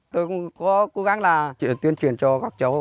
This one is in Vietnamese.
tôi cũng có cố gắng là chuyển chuyển cho các cháu